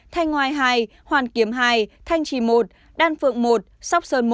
thanh ngoài hai hoàn kiếm hai thanh trì một đan phượng một sóc sơn một